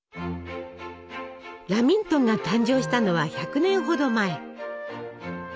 ラミントンが誕生したのは１００年ほど前。